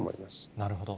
なるほど。